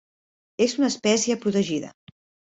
És una espècie protegida.